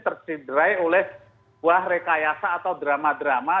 tercederai oleh buah rekayasa atau drama drama